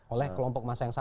oleh kelompok masa yang sama